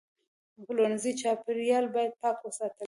د پلورنځي چاپیریال باید پاک وساتل شي.